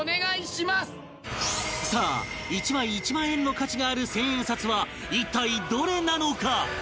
さあ１枚１万円の価値がある１０００円札は一体どれなのか？